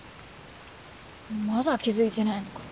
まだ気付いてないのかよ。